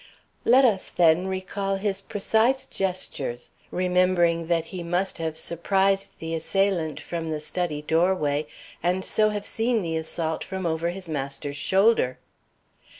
"Let us, then, recall his precise gestures, remembering that he must have surprised the assailant from the study doorway, and so have seen the assault from over his master's shoulder."